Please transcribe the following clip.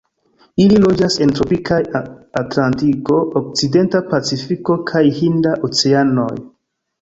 Ili loĝas en tropikaj Atlantiko, okcidenta Pacifiko kaj Hinda Oceanoj.